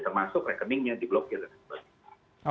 termasuk rekeningnya di blokir